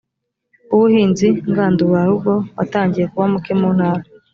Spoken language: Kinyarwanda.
w ubuhinzi ngandurarugo watangiye kuba muke mu ntara